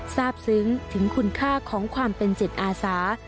ทราบซึ้งถึงคุณค่าของความเป็นจิตอาสา